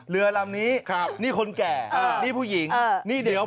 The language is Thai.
เรือลำนี้นี่คนแก่นี่ผู้หญิงนี่เด็กนุ่มครับ